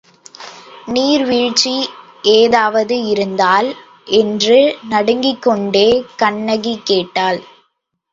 நீர்வீழ்ச்சி ஏதாவது இருந்தால்... என்று நடுங்கிக்கொண்டே கண்ணகி கேட்டாள்.